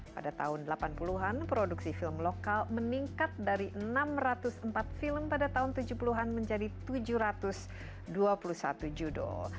pada tahun delapan puluh an produksi film lokal meningkat dari enam ratus empat film pada tahun tujuh puluh an menjadi tujuh ratus dua puluh satu judul